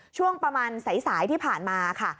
ช่วงประมาณสายที่ผ่านมาค่ะ